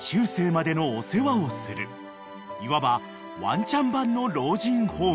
［いわばワンちゃん版の老人ホーム］